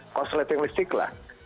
korsleting listik lah